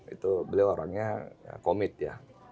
itu beliau orangnya komit ya